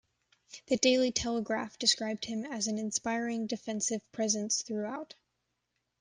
The "Daily Telegraph" described him as "an inspiring defensive presence throughout".